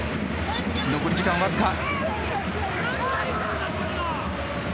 残り時間わずか。